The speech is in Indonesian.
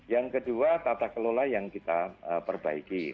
yang kedua tata kelola yang kita perbaiki